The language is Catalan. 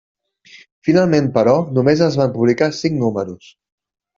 Finalment però, només es van publicar cinc números.